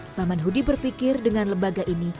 saman hudi berpikir dengan lembaga ini